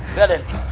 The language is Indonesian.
berada di sini